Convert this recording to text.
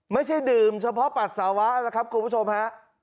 ไม่ใช่ดื่มเฉพาะปัสสาวะนะครับคุณผู้ชมฮะ